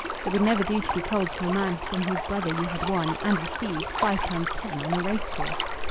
It would never do to be cold to a man from whose brother you had won and received five pounds ten on a racecourse.